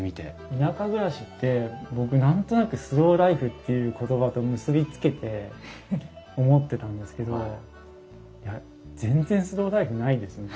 田舎暮らしって僕何となくスローライフっていう言葉と結び付けて思ってたんですけど全然スローライフないですね。